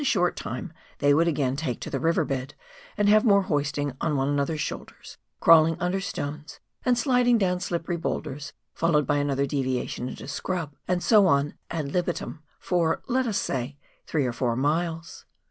short time thej would again take to tlie river bed, and have more hoisting on one another's shoulders, crawling under stones, and sliding down slippery boulders, followed by another deviation into scrub — and so on ad libitum for — let us say — three or four miles.